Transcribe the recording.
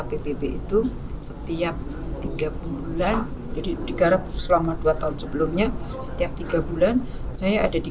pbb itu setiap tiga bulan jadi digarap selama dua tahun sebelumnya setiap tiga bulan saya ada di